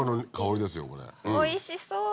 おいしそう。